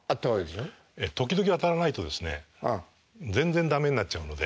ええ時々当たらないとですね全然駄目になっちゃうので。